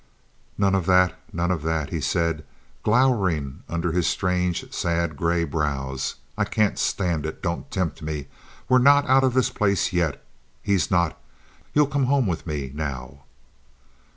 "None of that! none of that!" he said, glowering under his strange, sad, gray brows. "I can't stand it! Don't tempt me! We're not out of this place yet. He's not! You'll come home with me now."